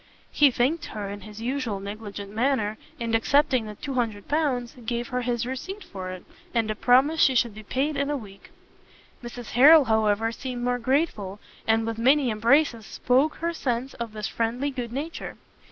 He thanked her in his usual negligent manner, and accepting the 200 pounds, gave her his receipt for it, and a promise she should be paid in a week. Mrs. Harrel, however, seemed more grateful, and with many embraces spoke her sense of this friendly good nature.